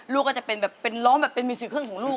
ลูกก็จะเป็นแบบเป็นร้องแบบเป็นมิวสิเครื่องของลูก